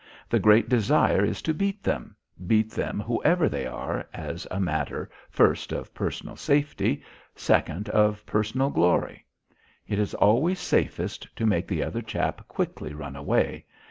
The great desire is to beat them beat them whoever they are as a matter, first, of personal safety, second, of personal glory. It is always safest to make the other chap quickly run away.